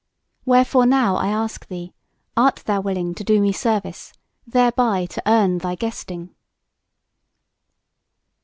Wherefore now I ask thee, art thou willing to do me service, thereby to earn thy guesting?"